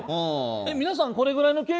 皆さんこれぐらいの経験。